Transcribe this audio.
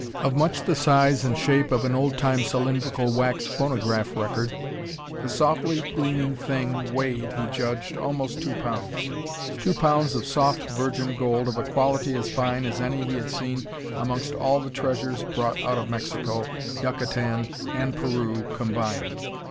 Of much the size and shape of an old time cylindrical wax phonograph record, the softly gleaming thing weighed, he judged, almost two pounds. Two pounds of soft, virgin gold of a quality as fine as any he had seen amongst all the treasures brought out of Mexico, Yucatan, and Peru combined!